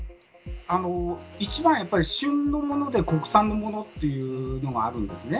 一番は、やっぱり旬のもので国産のものというのはあるんですね。